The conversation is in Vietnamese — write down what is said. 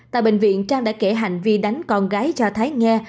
tại bệnh viện trang đã kể hành vi đánh con gái cho thái nghe